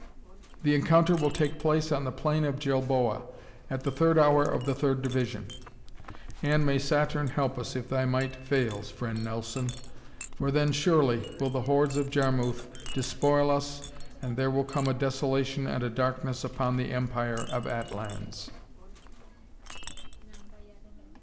"The encounter will take place on the plain of Gilboa at the third hour of the third division. And may Saturn help us if thy might fails. Friend Nelson! For then surely will the hordes of Jarmuth despoil us and there will come a desolation and a darkness upon the Empire of Atlans."